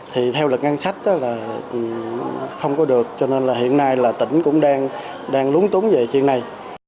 thì theo lực ngân sách là không có được cho nên là hiện nay là tỉnh cũng đang lúng túng về chuyện này